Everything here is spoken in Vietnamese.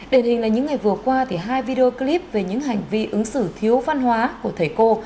đền hình là những ngày vừa qua hai video clip về những hành vi ứng xử thiếu văn hóa của thầy cô